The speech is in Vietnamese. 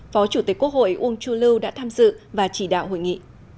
phó chủ tịch quốc hội uông chu lưu đã tham dự và chỉ đạo hội nghị